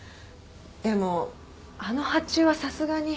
でもあの発注はさすがに。